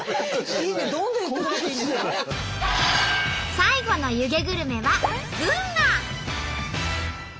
最後の湯気グルメは群馬！